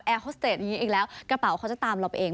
โฮสเตจอย่างนี้อีกแล้วกระเป๋าเขาจะตามเราไปเอง